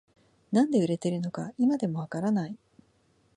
なんで売れてるのか今でもわからない